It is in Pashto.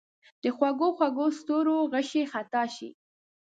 د خوږو، خوږو ستورو غشي خطا شي